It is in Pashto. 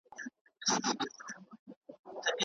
پاچا سړي ته د عبرت لپاره یوه لویه جزا ورکړه.